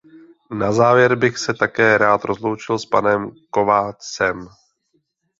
Na závěr bych se také rád rozloučil s panem Kovácsem.